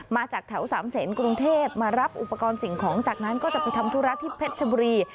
มาจากแถวสามเศษกรุงเทพมารับอุปกรณ์สิ่งของจากนั้นก็จะไปทำธุระที่เพชรชบุรี